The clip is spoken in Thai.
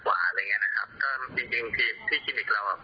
ก็เลยจะเริ่มลงตารางผ่าตัดพร้อมเลยทำงานนะครับผม